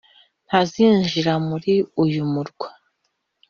Ntazinjira muri uyu murwa,